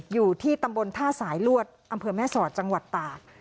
อยู่ที่ตำบลท่าสายลวดอำเภอแม่สอดจังหวัดตาก